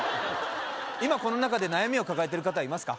今この中で悩みを抱えてる方いますか？